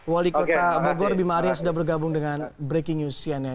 wali kota bogor bima arya sudah bergabung dengan breaking news cnn